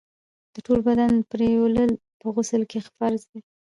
د ټول بدن پرېولل په غسل کي فرض دي.